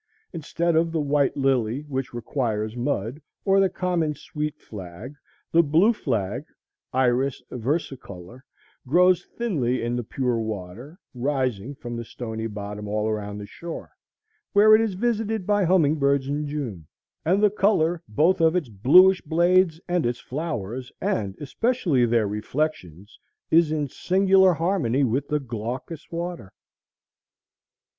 Instead of the white lily, which requires mud, or the common sweet flag, the blue flag (Iris versicolor) grows thinly in the pure water, rising from the stony bottom all around the shore, where it is visited by humming birds in June; and the color both of its bluish blades and its flowers, and especially their reflections, are in singular harmony with the glaucous water.